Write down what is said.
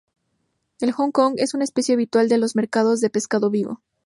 En Hong Kong es una especie habitual de los mercados de pescado vivo.